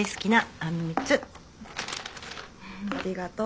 ありがとう。